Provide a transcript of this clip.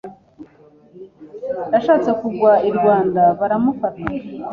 Yaashetse kugwa i Rwanda baramufata